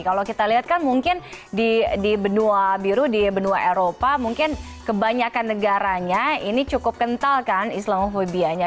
kalau kita lihat kan mungkin di benua biru di benua eropa mungkin kebanyakan negaranya ini cukup kental kan islamofobianya